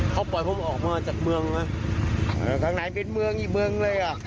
เขาปล่อยพวกมันออกมาจากเมืองน่ะเออครั้งไหนเป็นเมืองอีกเมืองเลยอ่ะ